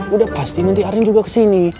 udah pasti nanti arin juga kesini